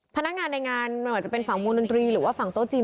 พนักงานในงานไม่ว่าจะเป็นฝั่งวงดนตรีหรือว่าฝั่งโต๊ะจีน